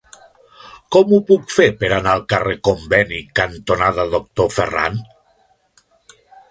Com ho puc fer per anar al carrer Conveni cantonada Doctor Ferran?